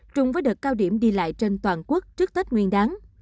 chung với đợt cao điểm đi lại trên toàn quốc trước tết nguyên đáng